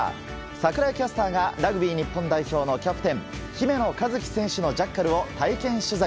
櫻井キャスターがラグビー日本代表の姫野和樹選手のジャッカルを体験取材。